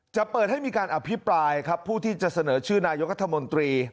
จะเปิดให้มีการอภิปรายครับผู้ที่จะเสนอชื่อนายกรัฐมนตรี